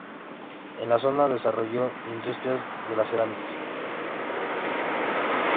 En la zona se desarrolló la industria de la cerámica.